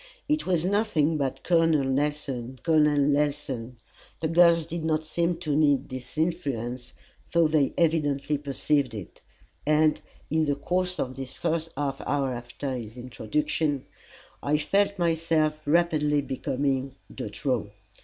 It was nothing but Col. Nelson, Col. Nelson. The girls did not seem to need this influence, though they evidently perceived it; and, in the course of the first half hour after his introduction, I felt myself rapidly becoming de trop.